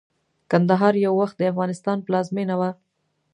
کندهار يٶوخت دافغانستان پلازمينه وه